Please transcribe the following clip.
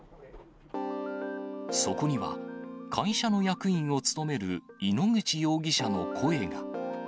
そこには、会社の役員を務める井ノ口容疑者の声が。